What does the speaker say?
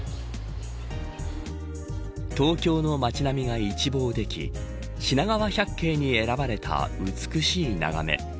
東京の町並みが一望できしながわ百景に選ばれた美しい眺め。